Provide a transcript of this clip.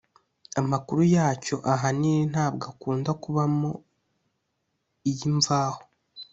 amakuru yacyo ahanini ntabwo akunda kubamo iy’imvaho,